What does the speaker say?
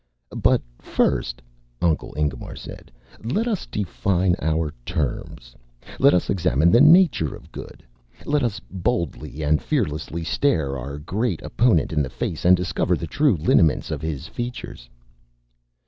"But first," Uncle Ingemar said, "let us define our terms. Let us examine the nature of Good. Let us boldly and fearlessly stare our great opponent in the face and discover the true lineaments of his features."